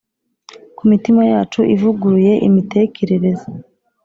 kumitima yacu ivuguruye imitekerereze